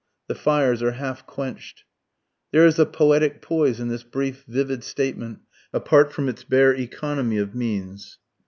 The fires are half quench'd." There is a poetic poise in this brief, vivid statement, apart from its bare economy of means.